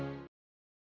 sampai jumpa lagi